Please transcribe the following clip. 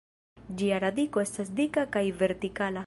Ĝia radiko estas dika kaj vertikala.